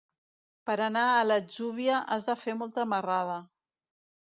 Per anar a l'Atzúbia has de fer molta marrada.